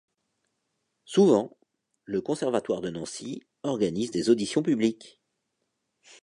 Souvent, le conservatoire de Nancy organise des auditions publiques.